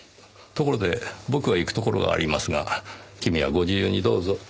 ところで僕は行くところがありますが君はご自由にどうぞ。